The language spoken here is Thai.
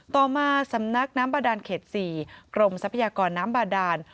ต่อมาสำนักน้ำบาดานเขต๔กรมทรัพยากรน้ำบาดาน